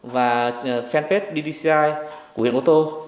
và fanpage ddci của huyện cô tô